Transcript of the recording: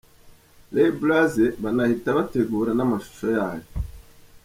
Ray Blaze banahita bategura namashusho yayo.